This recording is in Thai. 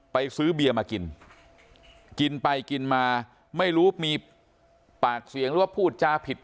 ซื้อเบียร์มากินกินไปกินมาไม่รู้มีปากเสียงหรือว่าพูดจาผิด